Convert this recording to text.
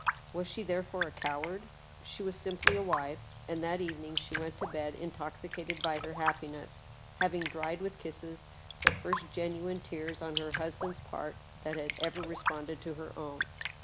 Was she therefore a Coward ? She was simply a wife. And that evening she went to her bed intoxicated by her happiness, having dried with kisses the first genuine tears on her husband's part that had ever responded to her own.